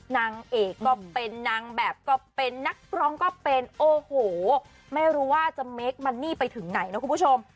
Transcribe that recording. นางเอกก็เป็นนางแบบก็เป็นนักร้องก็เป็นโอ้โหไม่รู้ว่าจะเมคมันนี่ไปถึงไหนนะคุณผู้ชม